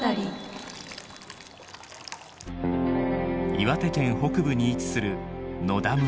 岩手県北部に位置する野田村。